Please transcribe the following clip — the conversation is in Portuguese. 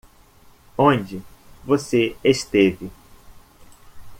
Onde você esteve?